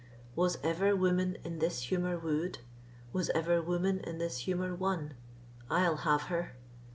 Was ever woman in this humor wooed? Was ever woman in this humour won? I'll have her.